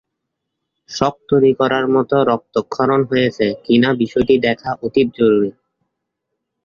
শক তৈরি করার মতো রক্তক্ষরণ হয়েছে কি না বিষয়টি দেখা অতীব জরুরি।